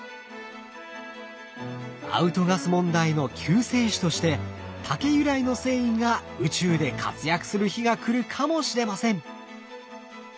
アウトガス問題の救世主として竹由来の繊維が宇宙で活躍する日が来るかもしれません。